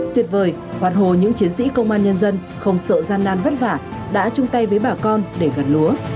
tuyệt vời hoàn hồ những chiến sĩ công an nhân dân không sợ gian nan vất vả đã chung tay với bà con để gặt lúa